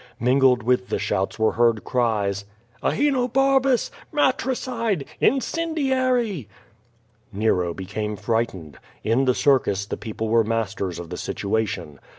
^Mingled with the shouts were heard cries: *^Ahe nobarbus! matricide! incendiary!'^ Xero became frightened. In the circus the people were masters of the situation.